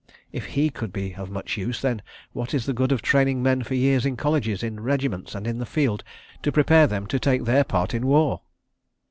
If he could be of much use, then what is the good of training men for years in colleges, in regiments, and in the field, to prepare them to take their part in war?